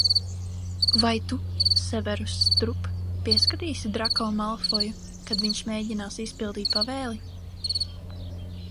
Vai tu, Severus Strup, pieskatīsi Drako Malfoju, kad viņš mēģinās izpildīt pavēli?